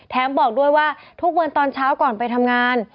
บอกด้วยว่าทุกวันตอนเช้าก่อนไปทำงาน